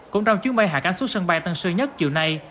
cũng trong chuyến bay hạ cánh xuất sân bay tăng sơ nhất chiều nay